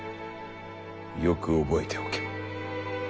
よく覚えておけ。